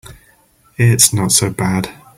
It's not so bad.